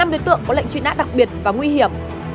năm đối tượng có lệnh truy nã đặc biệt và nguy hiểm